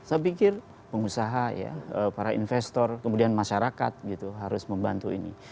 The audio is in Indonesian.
saya pikir pengusaha ya para investor kemudian masyarakat gitu harus membantu ini